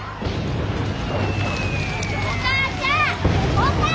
お母ちゃん！